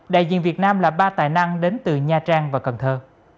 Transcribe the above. đại diện việt nam là ba tài năng đến từ nha trang và cần thơ